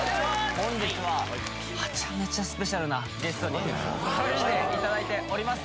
本日ははちゃめちゃスペシャルなゲストに来ていただいております